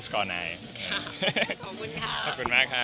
ขอบคุณค่ะ